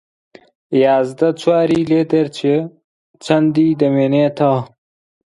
یازدە چواری لێدەرچێ چەندی دەمێنێتەوە